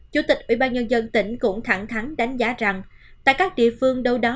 chủ tịch ủy ban nhân dân tỉnh cũng thẳng thắng đánh giá rằng tại các địa phương đâu đó